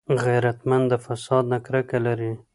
غیرتمند د فساد نه کرکه لري